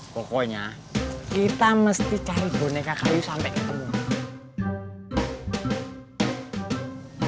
pokoknya kita mesti cari boneka kayu sampai ketemu